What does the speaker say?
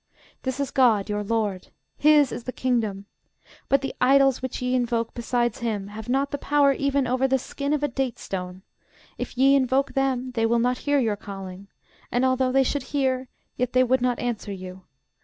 This is GOD, your LORD: his is the kingdom. But the idols which ye invoke besides him have not the power even over the skin of a date stone: if ye invoke them, they will not hear your calling; and although they should hear, yet they would not answer you.